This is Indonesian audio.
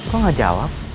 kok gak jawab